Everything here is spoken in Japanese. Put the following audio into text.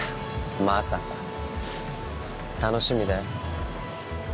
まさか楽しみだよ